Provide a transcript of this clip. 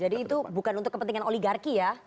jadi itu bukan untuk kepentingan oligarki ya